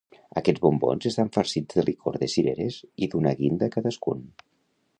Aquests bombons estan farcits de licor de cireres i d'una guinda cadascun.